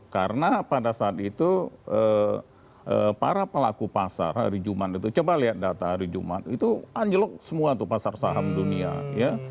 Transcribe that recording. karena pada saat itu para pelaku pasar hari jumat itu coba lihat data hari jumat itu anjlok semua tuh pasar saham dunia ya